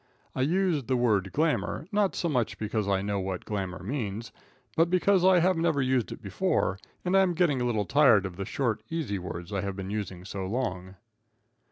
I use the word glamour, not so much because I know what glamour means, but because I have never used it before, and I am getting a little tired of the short, easy words I have been using so long.